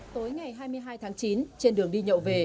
tối ngày hai mươi hai tháng chín trên đường đi nhậu về